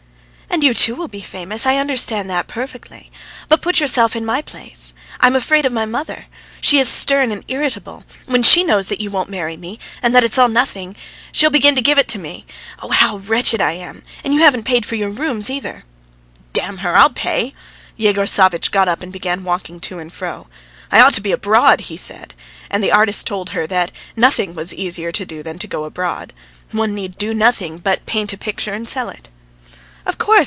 "And you, too, will be famous I understand that perfectly. But put yourself in my place. I am afraid of my mother. She is stern and irritable. When she knows that you won't marry me, and that it's all nothing ... she'll begin to give it to me. Oh, how wretched I am! And you haven't paid for your rooms, either! ...." "Damn her! I'll pay." Yegor Savvitch got up and began walking to and fro. "I ought to be abroad!" he said. And the artist told her that nothing was easier than to go abroad. One need do nothing but paint a picture and sell it. "Of course!"